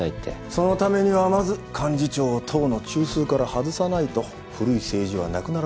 そのためにはまず幹事長を党の中枢から外さないと古い政治はなくならない。